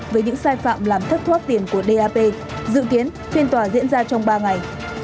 với những sai phạm làm thất thoát tiền của dap dự kiến phiên tòa diễn ra trong ba ngày